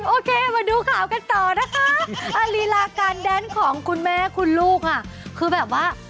โอเคมาดูข่าวกันต่อนะคะอลีลาการแดนของคุณแม่คุณลูกค่ะคือแบบว่า